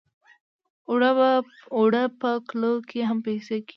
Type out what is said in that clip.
اوړه په کلو کې هم پېسې کېږي